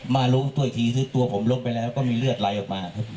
มารู้ตัวอีกทีคือตัวผมลบไปแล้วก็มีเลือดไหลออกมาครับ